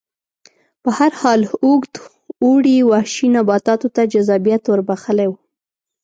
په هر حال اوږد اوړي وحشي نباتاتو ته جذابیت ور بخښلی و